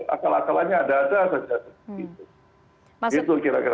akal akalannya ada ada saja